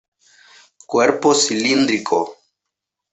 Cuerpo cilíndrico.